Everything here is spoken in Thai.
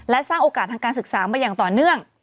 และสร้างโอกาสทางการศึกษามาอย่างต่อเนื่อง